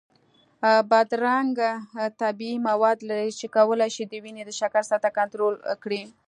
بادرنګ طبیعي مواد لري چې کولی شي د وینې د شکر سطحه کنټرول کړي.